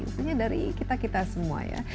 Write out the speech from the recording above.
maksudnya dari kita kita semua ya